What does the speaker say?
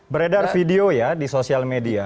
beredar video ya di sosial media